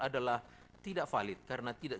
adalah tidak valid karena tidak